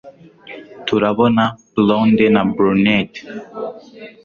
Turabona blonde na brunette